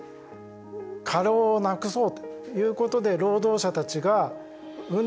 過労をなくそうということで労働者たちが運動を始めました。